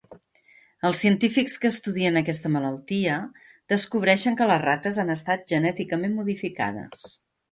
Els científics que estudien aquesta malaltia descobreixen que les rates han estat genèticament modificades.